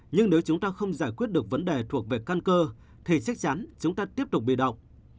nhưng nếu chúng ta không giải quyết được vấn đề thuộc về căn cơ thì chắc chắn chúng ta tiếp tục bị động